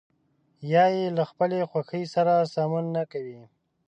یا يې له خپلې خوښې سره سمون نه کوي.